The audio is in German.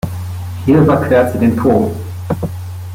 Hier überquert sie den Po.